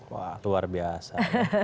wah luar biasa